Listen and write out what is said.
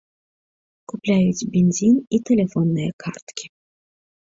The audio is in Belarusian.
Купляюць бензін і тэлефонныя карткі.